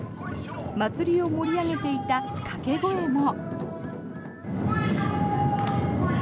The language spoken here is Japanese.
祭りを盛り上げていた掛け声も。